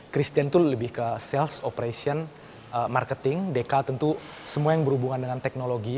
christian itu lebih ke sales operation marketing dekal tentu semua yang berhubungan dengan teknologi